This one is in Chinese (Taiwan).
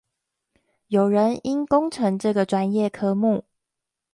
有人因工程這個專業科目